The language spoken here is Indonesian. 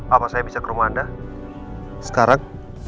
apa saya bisa ke rumah anda sekarang